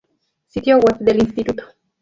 Sitio web del Instituto